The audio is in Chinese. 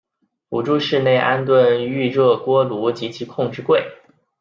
辅助室内安装预热锅炉及其控制柜。